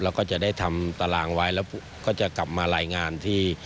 แล้วก็จะได้ทำตารางไว้แล้วก็จะกลับมารายงานที่